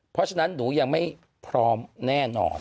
เพราะฉะนั้นหนูยังไม่พร้อมแน่นอน